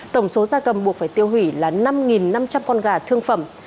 tổng số gia cầm buộc phải tiêu hủy là năm năm trăm linh con gà thương phẩm